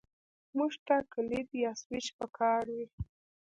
موټر ته کلید یا سوئچ پکار وي.